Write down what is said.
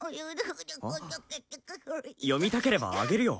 読みたければあげるよ。